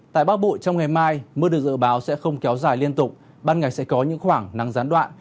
tại bắc bộ trong ngày mai mưa được dự báo sẽ không kéo dài liên tục ban ngày sẽ có những khoảng nắng gián đoạn